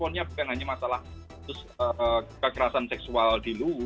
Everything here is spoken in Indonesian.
asalkan menelponnya bukan hanya masalah kekerasan seksual di luwuh